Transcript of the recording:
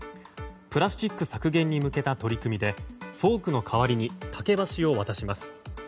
プラスチック削減に向けた取り組みでフォークの代わりに竹箸を渡します。